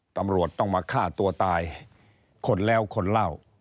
ตำรวจต้องมาฆ่าตัวตายคนแล้วคนเล่า